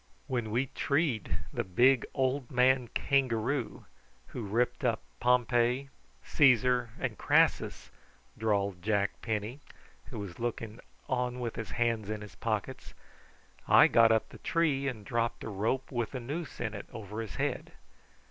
"When we treed the big old man kangaroo who ripped up Pompey, Caesar, and Crassus," drawled Jack Penny, who was looking on with his hands in his pockets, "I got up the tree and dropped a rope with a noose in it over his head.